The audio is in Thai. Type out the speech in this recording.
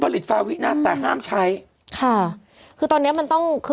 เพื่อไม่ให้เชื้อมันกระจายหรือว่าขยายตัวเพิ่มมากขึ้น